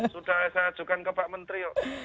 sudah saya ajukan ke pak menteri